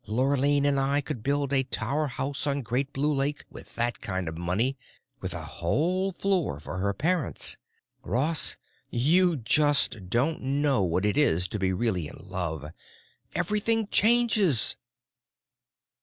Lurline and I could build a tower house on Great Blue Lake with that kind of money, with a whole floor for her parents! Ross, you just don't know what it is to really be in love. Everything changes."